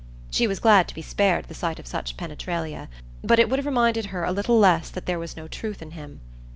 She was glad to be spared the sight of such penetralia, but it would have reminded her a little less that there was no truth in him.